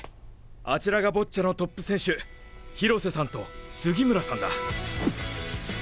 あちらがボッチャのトップ選手廣瀬さんと杉村さんだ。